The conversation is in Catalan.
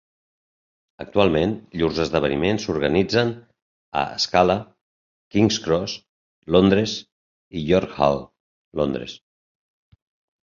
Actualment, llurs esdeveniments s'organitzen a Scala, King's Cross, Londres i York Hall, Londres.